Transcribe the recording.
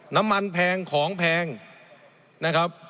น้ำมันแพงของแพงนะครับ